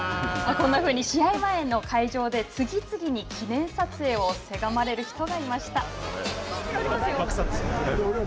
こんなふうに試合前の会場で次々に記念撮影をせがまれる人がいました。